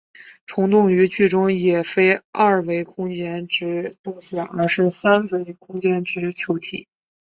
虫洞于剧中也非二维空间之洞穴而是三维空间之球体。